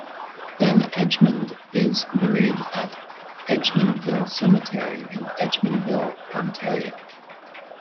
Van Edgmond is buried at Egmondville Cemetery in Egmondville, Ontario.